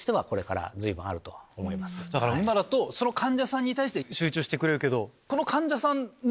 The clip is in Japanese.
今だとその患者さんに対して集中してくれるけど。